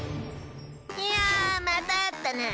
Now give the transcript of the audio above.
いやまたあったな！